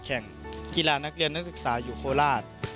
แข่งกีฬานักเรียนนักศึกษาอยู่โคราช